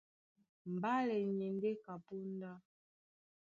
Mbálɛ ni e ndé ka póndá.